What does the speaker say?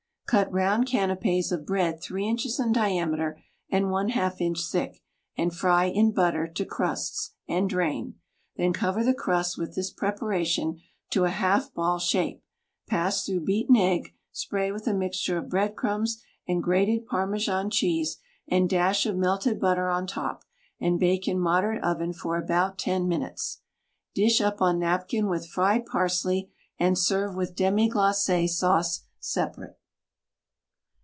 Cut round canapes of bread 3 inches in diameter, and Y2 inch thick, and fry in butter to crusts, and drain; then cover the crusts with this preparation to a half ball shape, pass through beaten egg, spray with a mixture of bread crumbs and grated parmesan cheese and dash of melted butter on top and bake in moderate oven for about ten minutes. Dish up on napkin with fried parsley, and serve with demi glace sauce separate.